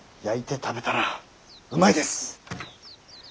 焼いて食べたらうまいです。